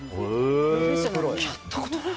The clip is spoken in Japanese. やったことない。